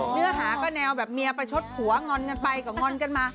เนื้อหาก็แนวแบบเมียประชดผัวงอนกันไปก็งอนกันมา